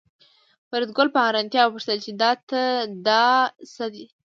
فریدګل په حیرانتیا وپوښتل چې دا څه دي